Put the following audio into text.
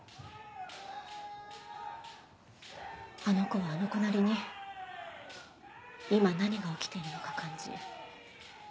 あの子はあの子なりに今何が起きているのか感じ